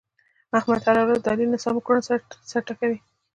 احمد هره ورځ د علي له ناسمو کړنو سر ټکوي.